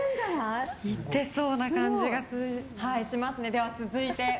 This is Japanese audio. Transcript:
いってそうな感じがしますね。